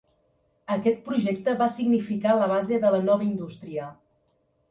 Aquest projecte va significar la base de la nova indústria.